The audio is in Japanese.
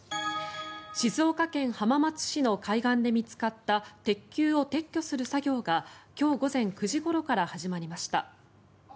静岡県浜松市の海岸で見つかった鉄球を撤去する作業が今日午前９時ごろから始まりました。